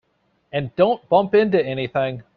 And don't bump into anything.